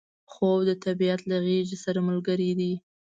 خوب د طبیعت له غیږې سره ملګری دی